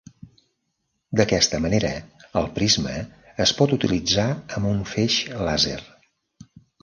D'aquesta manera el prisma es pot utilitzar amb un feix làser.